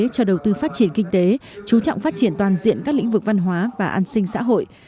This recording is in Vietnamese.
cho đầu tư phát triển kinh tế chú trọng phát triển toàn diện các lĩnh vực văn hóa và an sinh xã hội